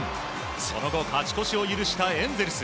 その後、勝ち越しを許したエンゼルス。